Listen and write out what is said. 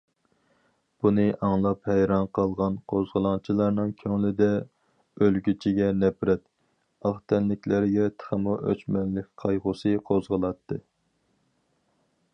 بۇنى ئاڭلاپ ھەيران قالغان قوزغىلاڭچىنىڭ كۆڭلىدە ئۆلگۈچىگە نەپرەت، ئاق تەنلىكلەرگە تېخىمۇ ئۆچمەنلىك قايغۇسى قوزغىلاتتى.